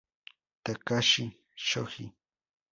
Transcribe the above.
Takashi Shoji